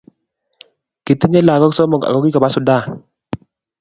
Kitinye lakok somok ak kikoba Sudan